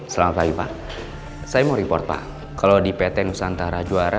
selamat pagi pak saya mau report pak kalau di pt nusantara juara